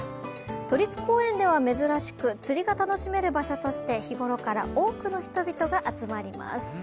都立公園では珍しく釣りが楽しめる場所として日ごろから多くの人々が集まります。